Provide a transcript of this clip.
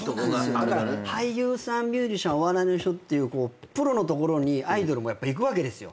だから俳優さんミュージシャンお笑いの人っていうプロの所にアイドルも行くわけですよ。